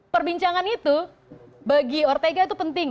perbincangan itu bagi ortega itu penting